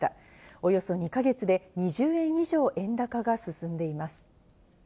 およそ２か月で２０円以上円高が進んでいます。